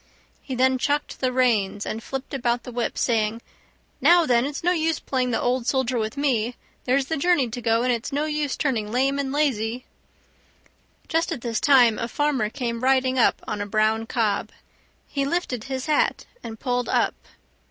He then chucked the reins and flipped about with the whip, saying, "Now, then, it's no use playing the old soldier with me; there's the journey to go, and it's no use turning lame and lazy." Just at this time a farmer came riding up on a brown cob. He lifted his hat and pulled up.